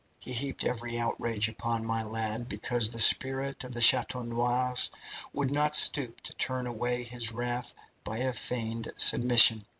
He heaped every outrage upon my lad, because the spirit of the Chateau Noirs would not stoop to turn away his wrath by a feigned submission.